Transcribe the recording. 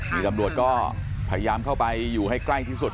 นี่ตำรวจก็พยายามเข้าไปอยู่ให้ใกล้ที่สุด